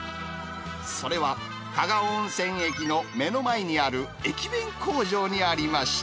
それは加賀温泉駅の目の前にある、駅弁工場にありました。